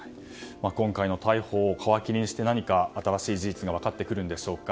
今回の逮捕を皮切りにして新しい事実が分かってくるんでしょうか。